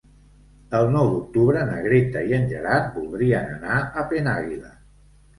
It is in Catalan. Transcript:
El nou d'octubre na Greta i en Gerard voldrien anar a Penàguila.